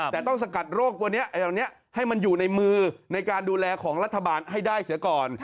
แต่ต้องสกัดโรควันนี้ให้มันอยู่ในมือในการดูแลของรัฐบาลให้ได้เสียก่อน